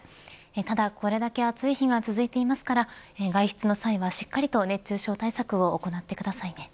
ただ、これだけ暑い日が続いていますから外出の際は、しっかりと熱中症対策を行ってくださいね。